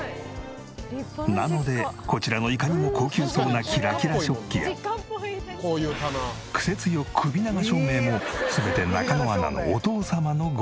なのでこちらのいかにも高級そうなキラキラ食器やクセ強くび長照明も全て中野アナのお父様のご趣味。